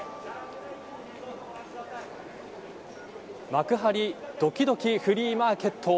幕張どきどきフリーマーケット